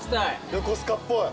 横須賀っぽい。